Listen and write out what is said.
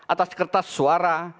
atas kertas suara